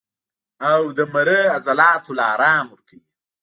او د مرۍ عضلاتو له ارام ورکوي